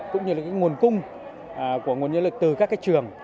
cũng như là cái nguồn cung của nguồn nhân lực từ các trường